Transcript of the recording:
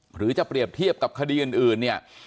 หรือจะเปรียบเทียบกับคดีอื่นเนี่ย